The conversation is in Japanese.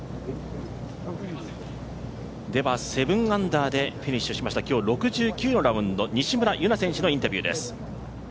では、７アンダーでフィニッシュしました、今日６９のラウンド西村優菜選手のインタビューです。